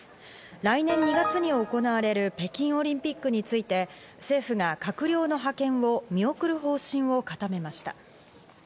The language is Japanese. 来年２月に行われる北京オリンピックについて、政府が閣僚の派遣を見送る方針を固めました。